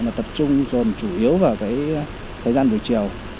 mà tập trung rồi mà chủ yếu vào cái thời gian buổi chiều